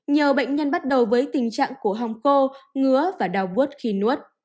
nhiều bệnh nhân bắt đầu với tình trạng khổ hong khô ngứa và đau bút khi nuốt